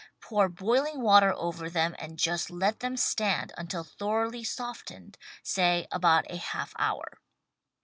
Pour boiling water over them and just let them stand until thoroughly softened, say — about a half hour.